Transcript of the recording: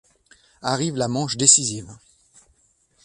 Arrive la manche décisive.